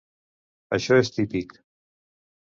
Això és típic.